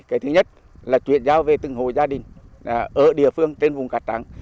cái thứ nhất là chuyển giao về từng hồ gia đình ở địa phương trên vùng cát trắng